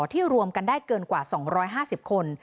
รวมกันได้เกินกว่า๒๕๐คน